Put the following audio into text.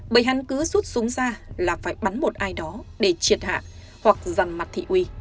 bởi hắn cứ rút súng ra là phải bắn một ai đó để triệt hạ hoặc giằn mặt